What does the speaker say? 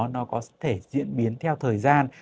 nó có thể diễn biến theo thời gian